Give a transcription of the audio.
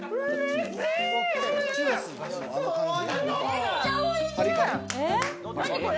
めっちゃおいしい。